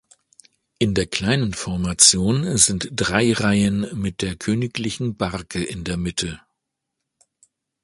In der kleinen Formation sind drei Reihen mit der königlichen Barke in der Mitte.